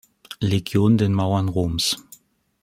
Legion den Mauern Roms.